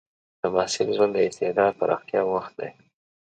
د محصل ژوند د استعداد پراختیا وخت دی.